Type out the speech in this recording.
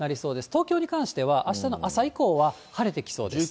東京に関しては、あしたの朝以降は晴れてきそうです。